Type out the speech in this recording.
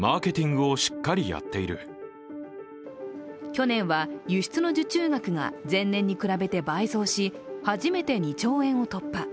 去年は輸出の受注額が前年に比べて倍増し初めて２兆円を突破。